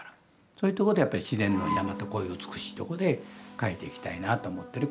そういうとこでやっぱり自然の山とこういう美しいとこで描いていきたいなと思ってる。